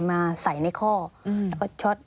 มาใส่ในข้อแล้วก็ช็อต